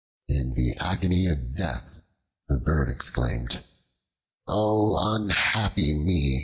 In the agony of death, the bird exclaimed: "O unhappy me!